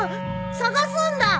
捜すんだ。